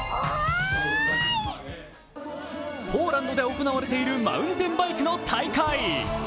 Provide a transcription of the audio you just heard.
ポーランドで行われているマウンテンバイクの大会。